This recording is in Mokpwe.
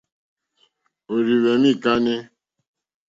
Òrzìhwɛ̀mɛ́ î kánɛ́.